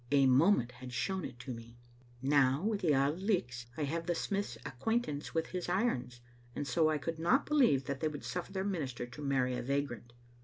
A moment had shown it to me. Now with the Auld Lichts, I have the smith's acquaintance with his irons, and so I could not believe that they would suffer their minister to marry a vagrant.